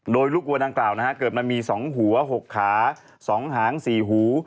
โดยลูกวัวดังกล่าวเกิดมามี๒หัว๖ขา๒หาง๔หู